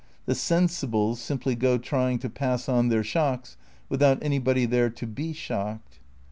The "sensibles" simply go trying to pass on their shocks, without anybody there to he shocked.